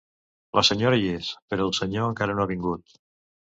La senyora hi és, però el senyor encara no ha vingut.